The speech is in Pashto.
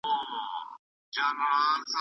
آیا دودیز خواړه تر بازاري خواړو خوندور دي؟